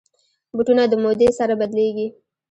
بوټونه د مودې سره بدلېږي.